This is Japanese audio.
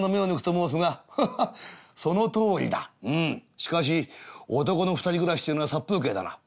しかし男の二人暮らしというのは殺風景だな。